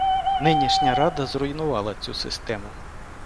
Нинішня рада зруйнувала цю систему.